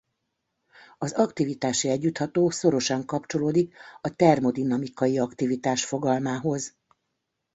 Az aktivitási együttható szorosan kapcsolódik a termodinamikai aktivitás fogalmához.